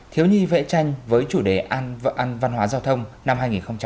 thiếu nhi vệ tranh với chủ đề an vận văn hóa giao thông năm hai nghìn một mươi sáu